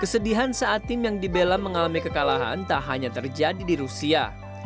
kesedihan saat tim yang dibela mengalami kekalahan tak hanya terjadi di rusia